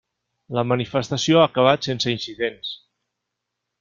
La manifestació ha acabat sense incidents.